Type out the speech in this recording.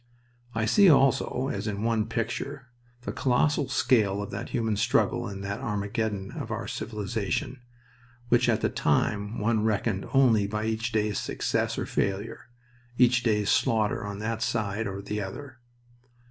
I see also, as in one picture, the colossal scale of that human struggle in that Armageddon of our civilization, which at the time one reckoned only by each day's success or failure, each day's slaughter on that side or the other.